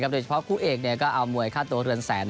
โดยเฉพาะคู่เอกก็เอามวยค่าตัวเรือนแสน